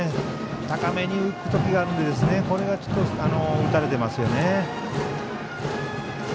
高めに浮く時があるのでこれが打たれてますね。